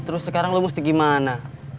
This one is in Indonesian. terus sekarang lo mesti gimana